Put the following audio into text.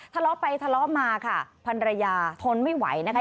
ทะเลาะไปทะเลาะมาค่ะพันรยาทนไม่ไหวนะคะ